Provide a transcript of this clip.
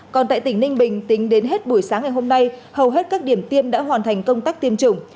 còn tại tỉnh ninh bình tính đến hết buổi sáng ngày hôm nay hầu hết các điểm tiêm đã hoàn thành công tác tiêm chủng